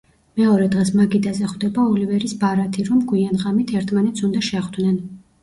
მეორე დღეს მაგიდაზე ხვდება ოლივერის ბარათი, რომ გვიან ღამით ერთმანეთს უნდა შეხვდნენ.